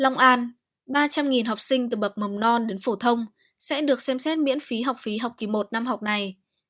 trong ba trăm linh học sinh từ bậc mầm non đến phổ thông sẽ được xem xét miễn phí học phí học kỳ một năm học này